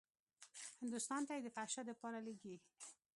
هندوستان ته يې د فحشا دپاره لېږي.